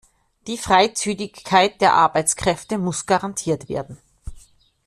Die Freizügigkeit der Arbeitskräfte muss garantiert werden.